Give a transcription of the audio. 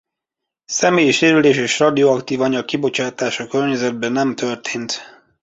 Személyi sérülés és radioaktívanyag-kibocsátás a környezetbe nem történt.